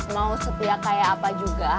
mau setia kayak apa juga